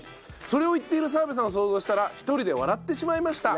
それを言っている澤部さんを想像したら１人で笑ってしまいました。